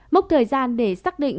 mốc thời gian để xác định